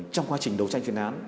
trong quá trình đấu tranh chuyển án